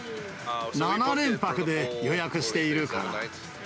７連泊で予約しているから。